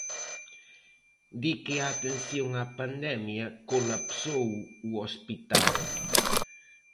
Di que a atención á pandemia colapsou o hospital.